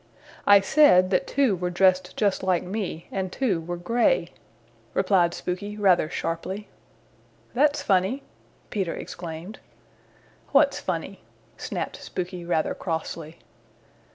"I said that two were dressed just like me and two were gray," replied Spooky rather sharply. "That's funny," Peter exclaimed. "What's funny?" snapped Spooky rather crossly.